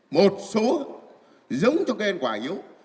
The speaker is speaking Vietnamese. một số giống cho cây ăn quả yếu